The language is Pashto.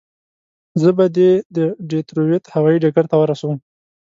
زه به دې د ډیترویت هوایي ډګر ته ورسوم.